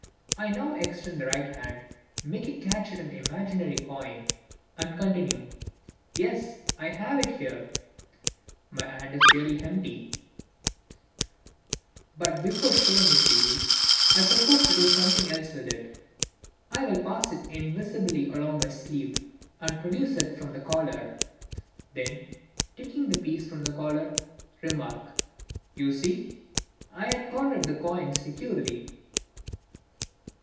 I now extend the right hand, make a catch at an imaginary coin, and continue: "Yes, I have it here" (my hand is really empty), "but before showing it to you I propose to do something else with it; I will pass it invisibly along my sleeve and produce it from the collar." Then, taking the piece from the collar, remark: "You see I had collared the coin securely."